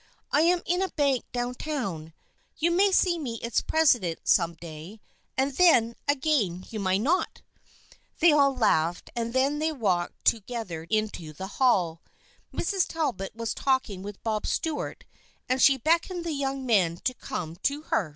I am in a bank down town. You may see me its presi dent some day — and then again you may not !" They all laughed, and then they walked to gether into the hall. Mrs. Talbot was talking with Bob Stuart and she beckoned the young men to come to her.